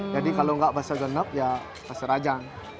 jadi kalau tidak bahasa genep ya bahasa rajang